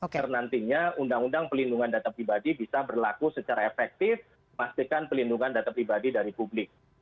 karena nantinya undang undang perlindungan data pribadi bisa berlaku secara efektif memastikan pelindungan data pribadi dari publik